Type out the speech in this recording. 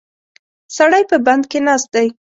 سړی په بند کې ناست دی.